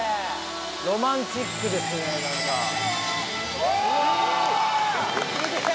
・ロマンチックですね何か・わあすげえ！